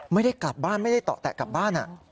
ไม่ได้กลับบ้านไม่ได้เตาะแตะกลับบ้าน